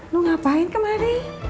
lu ngapain kemarin